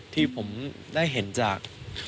ที่ผมได้เห็นจาก